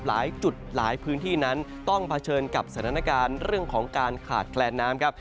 หลายจุดหลายพื้นที่นั้นต้องเผชิญกับสถานการณ์เรื่องของการขาดแคลนน้ำครับ